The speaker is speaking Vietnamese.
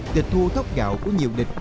tịch thuốc gạo của nhiều địch